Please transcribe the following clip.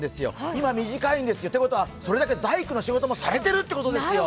今、短いんですよ。ということはそれだけ大工の仕事もされてるってことですよ。